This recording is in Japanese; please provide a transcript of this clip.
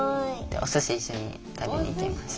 おすし一緒に食べに行きました。